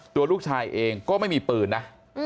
ตัวลูกชายเองก็ไม่มีปืนนะ